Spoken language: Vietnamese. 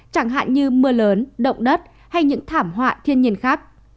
chẳng hạn như mưa lớn động đất hay những thảm họa thiên nhiên khác